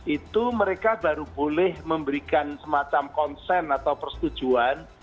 itu mereka baru boleh memberikan semacam konsen atau persetujuan